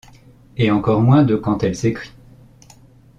Et encore moins de quand elle s’écrit.